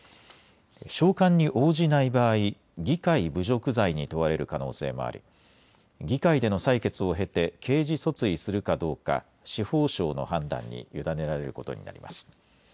召喚に応じない場合、議会侮辱罪に問われる可能性もあり議会での採決を経て刑事訴追するかどうか司法省の判断に委ねられることになります。